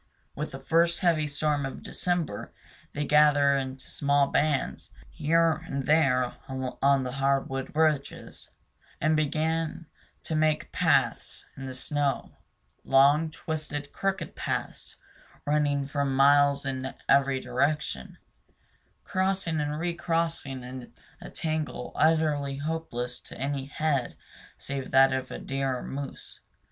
With the first heavy storm of December, they gather in small bands here and there on the hardwood ridges, and begin to make paths in the snow, long, twisted, crooked paths, running for miles in every direction, crossing and recrossing in a tangle utterly hopeless to any head save that of a deer or moose.